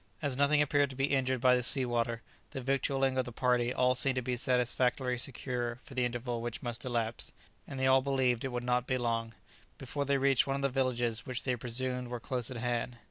As nothing appeared to be injured by the sea water, the victualling of the party all seemed to be satisfactorily secure for the interval which must elapse (and they all believed it would not be long,) before they reached one of the villages which they presumed were close at hand.